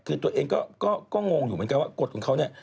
คือตัวเองก็งงอยู่เหมือนกันว่ากฎของเขาเนี่ย